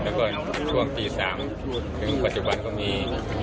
แล้วก็ช่วงปี๓ถึงปฏิบัติกรรมก็มี